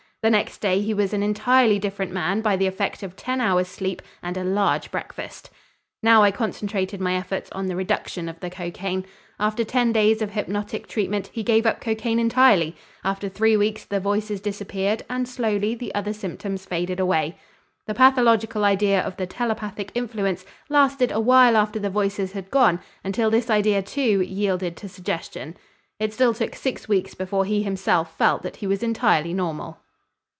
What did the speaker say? The next day he was an entirely different man by the effect of ten hours' sleep and a large breakfast. Now I concentrated my efforts on the reduction of the cocaine. After ten days of hypnotic treatment he gave up cocaine entirely, after three weeks the voices disappeared and slowly the other symptoms faded away. The pathological idea of the telepathic influence lasted a while after the voices had gone until this idea, too, yielded to suggestion. It still took six weeks before he himself felt that he was entirely normal.